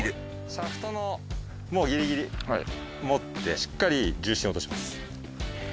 シャフトのもうギリギリ持ってしっかり重心落とします。